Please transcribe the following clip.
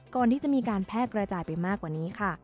ก่อนที่จะมีการแพร่กระจายไปมากกว่านี้ค่ะ